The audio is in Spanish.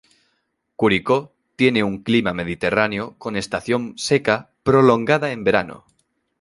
Curicó tiene un clima mediterráneo con estación seca prolongada en verano.